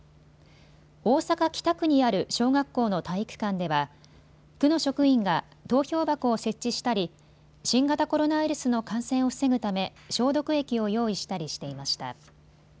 大阪北区にある小学校の体育館では区の職員が投票箱を設置したり新型コロナウイルスの感染を防ぐため消毒液を用意したりしていました。